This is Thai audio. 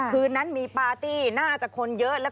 คืนนั้นมีปาร์ตี้น่าจะคนเยอะ